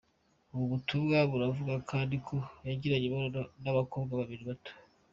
Ubo butumwa buravuga kandi ko yagiranye imibonano n'abakobwa bakiri bato .